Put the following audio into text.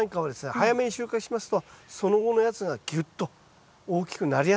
早めに収穫しますとその後のやつがぎゅっと大きくなりやすくなるからです。